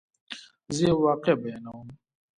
زه یوه واقعه بیانوم.